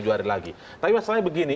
tujuh hari lagi tapi masalahnya begini